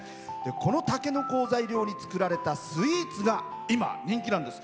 このたけのこを材料に作られたスイーツが今人気なんです。